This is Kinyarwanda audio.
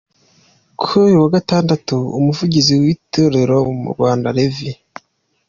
Kuri uyu wa Gatandatu Umuvugizi w’iri Torero mu Rwanda, Rev.